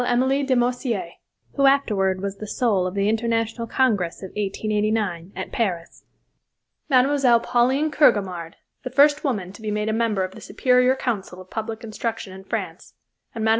Emilie de Morsier, who afterward was the soul of the International Congress of 1889, at Paris; Mme. Pauline Kergomard, the first woman to be made a member of the Superior Council of public Instruction in France, and Mme.